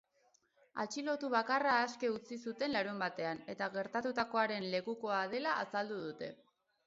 Atxilotu bakarra aske utzi zuten larunbatean, eta gertatutakoaren lekukoa dela azaldu dute.